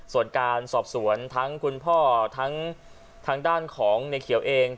ส่วนการสอบสวนทั้งคุณพ่อทั้งทางด้านของในเขียวเอง